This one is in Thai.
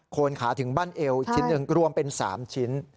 คนขาถึงบ้านเอวอีกชิ้นหนึ่งรวมเป็น๓ชิ้น